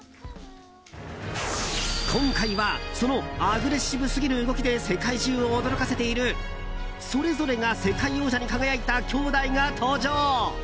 今回はそのアグレッシブすぎる動きで世界中を驚かせているそれぞれが世界王者に輝いた兄弟が登場。